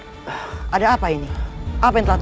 raden kian santang